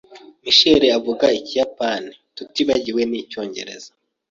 Michael avuga Ikiyapani, tutibagiwe n'Icyongereza.